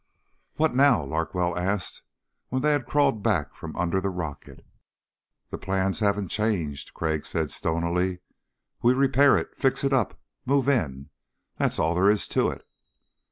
"What now?" Larkwell asked, when they had crawled back from under the rocket. "The plans haven't changed," Crag said stonily. "We repair it ... fix it up ... move in. That's all there is to it."